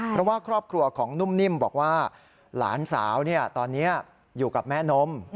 เพราะว่าครอบครัวของนุ่มนิ่มบอกว่าหลานสาวตอนนี้อยู่กับแม่นม